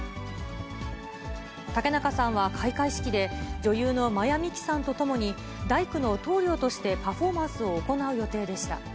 竹中さんは開会式で、女優の真矢ミキさんと共に大工の棟りょうとしてパフォーマンスを行う予定でした。